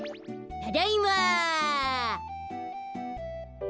ただいま。